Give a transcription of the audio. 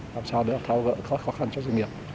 làm sao để thao gỡ khó khăn cho doanh nghiệp